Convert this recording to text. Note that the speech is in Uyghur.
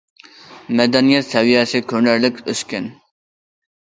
مەدەنىيەت سەۋىيەسى كۆرۈنەرلىك ئۆسكەن.